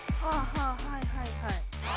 はいはいはい。